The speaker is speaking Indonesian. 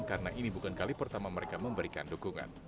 karena ini bukan kali pertama mereka memberikan dukungan